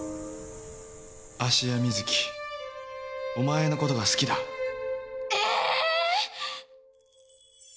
芦屋瑞稀お前のことが好きだ。え！？